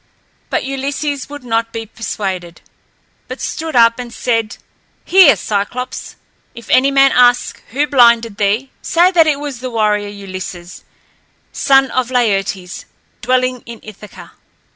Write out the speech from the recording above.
But Ulysses would not be persuaded, but stood up and said, "Hear, Cyclops! If any man ask who blinded thee, say that it was the warrior Ulysses, son of Laertes, dwelling in Ithaca."